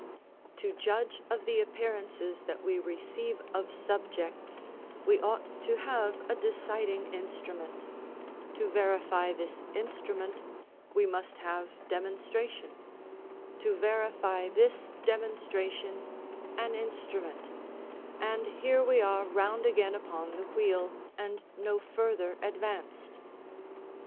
To judge of the appearances that we receive of subjects, we ought t have a deciding instrument; to verify this instrument we must have demonstration; to verify this demonstration an instrument; and here we are round again upon the wheel, and no further advanced.